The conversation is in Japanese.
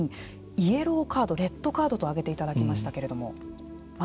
イエローカードレッドカードと挙げていただきましたけれども。